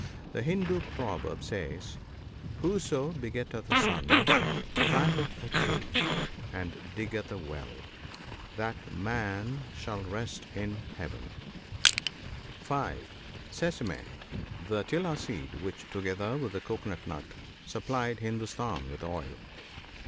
The Hindoo proverb says, " Whoso begetteth a son, planteth a tree, and diggeth a well ; that man shall rest in Heaven." K 146 NOTES. (5 ) Sesasum. — The " tilla " seed ; which, together with the cocoa nut, supplies Hindostan with oil.